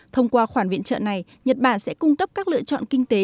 thông qua khoản viện trợ này nhật bản sẽ cung cấp các lựa chọn kinh tế